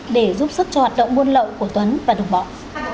để giúp sức cho hoạt động buôn lộ của tuấn và đồng phạm